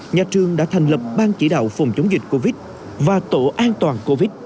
nhà trường đã thành lập ban chỉ đạo phòng chống dịch covid và tổ an toàn covid